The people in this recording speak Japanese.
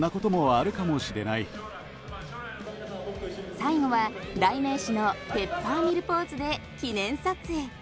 最後は代名詞のペッパーミルポーズで記念撮影。